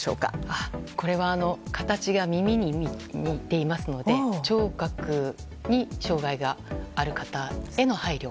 これは形が耳に似ていますので聴覚に障害がある方への配慮。